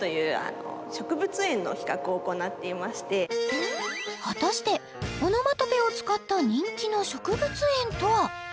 今果たしてオノマトペを使った人気の植物園とは？